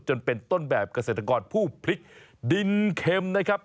จนเป็นต้นแบบเกษตรกรผู้พริกดินเค็มนะครับ